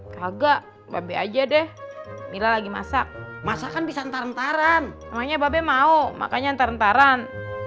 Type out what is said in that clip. kagak be aja deh mila lagi masak masakan bisa ntar ntar an namanya be mau makanya ntar ntar an